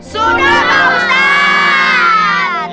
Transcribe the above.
sudah pak ustadz